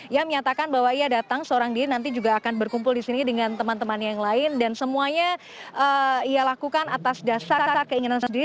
ia menyatakan bahwa ia datang seorang diri nanti juga akan berkumpul di sini dengan teman teman yang lain dan semuanya ia lakukan atas dasar keinginan sendiri